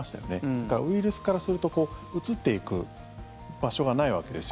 だから、ウイルスからすると移っていく場所がないわけです。